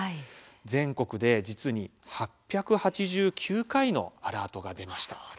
全国で実に８８９回のアラートが出ました。